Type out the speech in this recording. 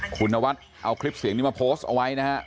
คุณนวัดเอาคลิปเสียงนี้มาโพสต์เอาไว้นะฮะ